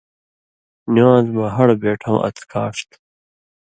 نِوان٘ز مہ ہڑہۡ بیٹھؤں اڅھکاݜ تھُو۔